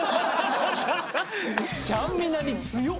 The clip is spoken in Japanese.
ちゃんみなに強っ！